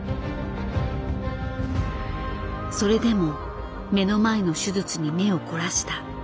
それでも目の前の手術に目を凝らした。